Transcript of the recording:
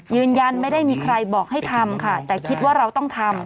ยืนยันไม่ได้มีใครบอกให้ทำค่ะแต่คิดว่าเราต้องทำ